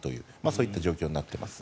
そういった状況になっています。